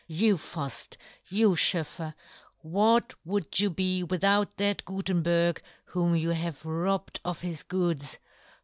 You, Fuft, " you, SchoefFer, what would you be " withoutthat Gutenberg, whom you " have robbed of his goods